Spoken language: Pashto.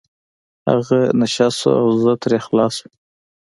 هغه نشه شو او زه ترې خلاص شوم.